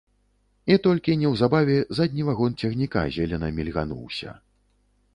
І толькі неўзабаве задні вагон цягніка зелена мільгануўся.